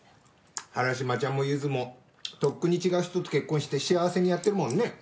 原島ちゃんもユズもとっくに違う人と結婚して幸せにやってるもんね。